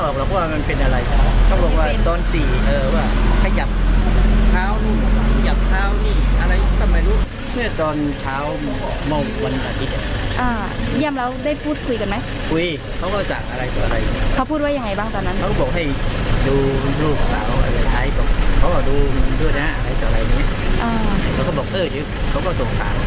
เขาก็บอกว่าดูแลด้วยนะก็บอกว่าเดี๋ยวเขาก็โสดต่าง